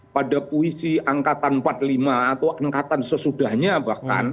pada puisi angkatan empat puluh lima atau angkatan sesudahnya bahkan